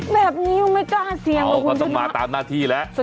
แบบนี้ไม่กล้าเสียบอกว่าคุณจะมาอ้าวเขาต้องมาตามหน้าที่แล้ว